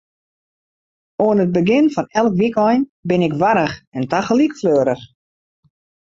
Oan it begjin fan elk wykein bin ik warch en tagelyk fleurich.